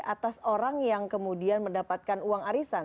atas orang yang kemudian mendapatkan uang arisan